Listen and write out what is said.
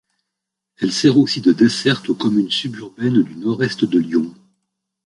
Elle sert aussi de desserte aux communes suburbaines du nord-est de Lyon.